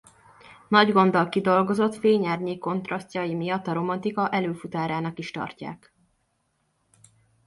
Nagy gonddal kidolgozott fény-árnyék kontrasztjai miatt a romantika előfutárának is tartják.